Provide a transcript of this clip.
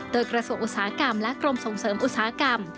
โดยกระทรวงอุตสาหกรรมและกรมส่งเสริมอุตสาหกรรม